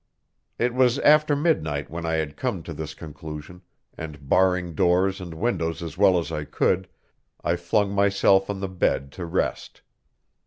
It was after midnight when I had come to this conclusion, and, barring doors and windows as well as I could, I flung myself on the bed to rest.